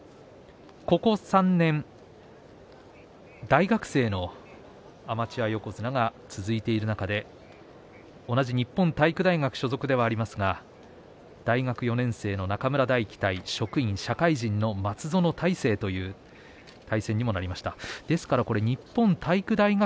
ここ３年、大学生のアマチュア横綱が続いている中で同じ日本体育大学所属部屋ではありますが大学４年生の中村泰輝と、職員社会人の松園大成という対戦になりました。